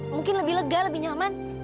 mungkin lebih lega lebih nyaman